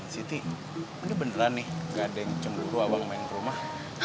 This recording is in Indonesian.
siti ini beneran nih gak ada yang cemburu abang main ke rumah